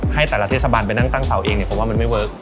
ให้แต่ละเทศบาลไปนั่งตั้งเสาเองเนี่ยผมว่ามันไม่เวิร์ค